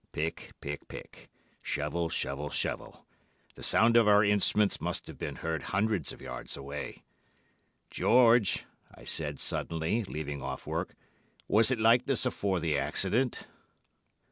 Pick, pick, pick; shovel, shovel, shovel; the sound of our instruments must have been heard hundreds of yards away. "'George,' I said suddenly, leaving off work, 'was it like this afore the accident?